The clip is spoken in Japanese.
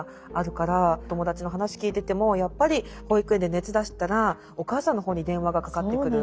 友達の話聞いててもやっぱり保育園で熱出したらお母さんの方に電話がかかってくる。